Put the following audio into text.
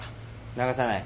流さない？